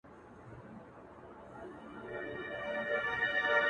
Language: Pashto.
د کتاب لوستل د انسان د پوهې بنسټ قوي کوي او باور زياتوي -